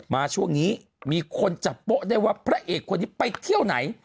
มาช่วงนี้มีคนจับโป๊ะได้ว่าพระเอกคนนี้ไปเที่ยวไหน